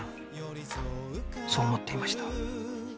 そう思っていました